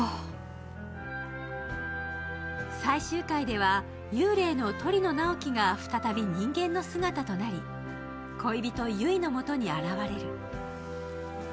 最終回では幽霊の鳥野直木が再び人間の姿となり恋人・悠依のもとに現れる。